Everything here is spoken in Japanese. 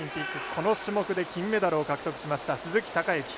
この種目で金メダルを獲得しました鈴木孝幸。